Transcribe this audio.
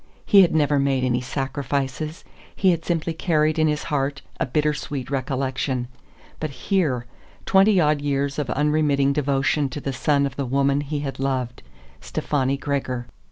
He had never made any sacrifices; he had simply carried in his heart a bittersweet recollection. But here! Twenty odd years of unremitting devotion to the son of the woman he had loved Stefani Gregor.